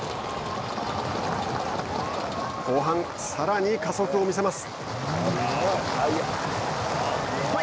後半、さらに加速を見せます。